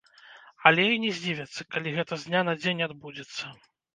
Але і не здзівяцца, калі гэта з дня на дзень адбудзецца.